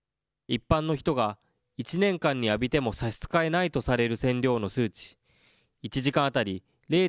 一般の人が、１年間に浴びても差し支えないとされる線量の数値、１時間当たり０．２３